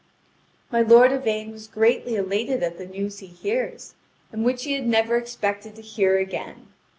My lord Yvain was greatly elated at the news he hears, and which he had never expected to hear again.